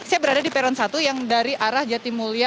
saya berada di peron satu yang dari arah jatimulya